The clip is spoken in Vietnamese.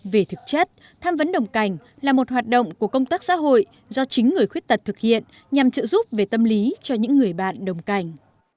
về thực chất tham vấn đồng cảnh là một hoạt động của công tác xã hội do chính người khuyết tật thực hiện nhằm trợ giúp về tâm lý cho những người bạn đồng cảnh